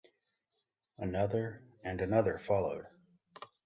Another and another followed.